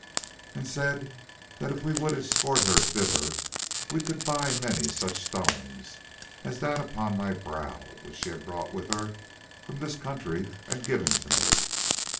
"And said that if we would escort her thither we could buy many such stones as that upon my brow, which she had brought with her from this country and given to me.